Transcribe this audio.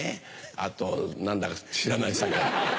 あと何だか知らない酒。